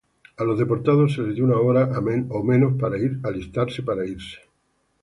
A los deportados se les dio una hora o menos para alistarse para irse.